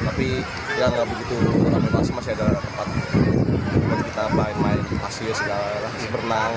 tapi ya nggak begitu masih ada tempat kita main main pasir berenang